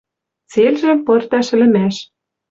Цельжӹм пырташ ӹлӹмӓш